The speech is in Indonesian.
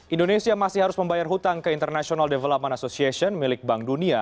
indonesia masih harus membayar hutang ke international development association milik bank dunia